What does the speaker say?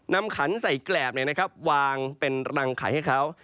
ขันใส่แกรบวางเป็นรังไข่ให้เขา